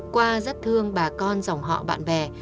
qua rất thương bà con dòng họ bạn bè